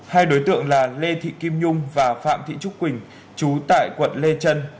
hai đối tượng là lê thị kim nhung và phạm thị trúc quỳnh chú tại quận lê trân